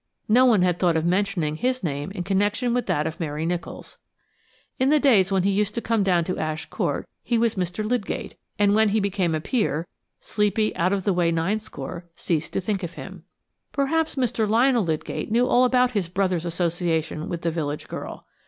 No one had thought of mentioning his name in connection with that of Mary Nicholls. In the days when he used to come down to Ash Court he was Mr. Lydgate, and, when he became a peer, sleepy, out of the way Ninescore ceased to think of him. Perhaps Mr. Lionel Lydgate knew all about his brother's association with the village girl.